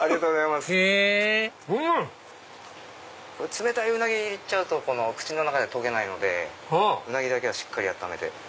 へぇ冷たいうなぎいっちゃうと口の中で溶けないのでうなぎだけはしっかり温めて。